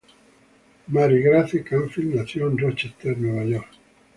Mary Grace Canfield nació en Rochester, Nueva York.